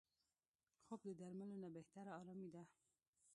خوب د درملو نه بهتره آرامي ده